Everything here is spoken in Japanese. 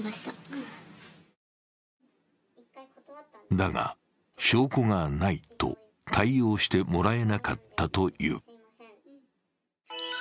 だが証拠がないと対応してもらえなかったという。